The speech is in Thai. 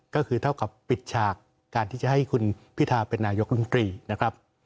ก็คือเท่ากับปิดฉากการที่จะให้คุณพิทาเป็นนายกรมตรีนะครับ